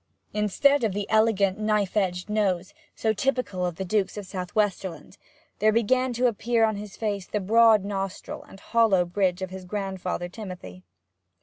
Instead of the elegant knife edged nose, so typical of the Dukes of Southwesterland, there began to appear on his face the broad nostril and hollow bridge of his grandfather Timothy.